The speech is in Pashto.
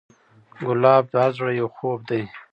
ګلاب د هر زړه یو خوب دی.